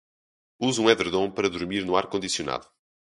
Use um edredom para dormir no ar condicionado